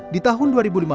di tahun dua ribu lima belas